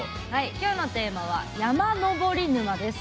今日のテーマは「山登り沼」です。